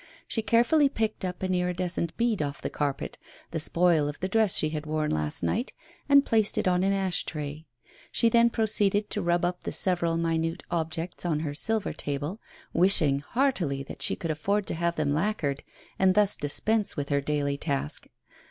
She carefully picked up an iridescent bead off the carpet, the spoil of the dress she had worn last night, and placed it on an ash tray. She then proceeded to rub up the several minute objects on her silver table, wishing heartily that she could afford to have them lacquered, and thus dispense with her daily task.